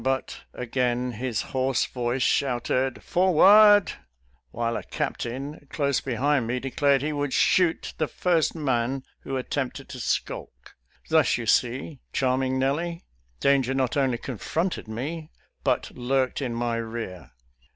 But again his hoarse voice shouted " Forward !" while a captain close behind me declared he would shoot the first man who attempted to skulk. Thus you see. Charm ing Nellie, danger not only confronted me, but lurked in my rear.